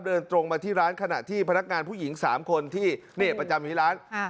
เดินตรงมาที่ร้านขณะที่พนักงานผู้หญิง๓คนที่ประจำอยู่ที่ร้าน